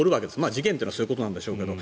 事件というのはそういうことなんでしょうけど。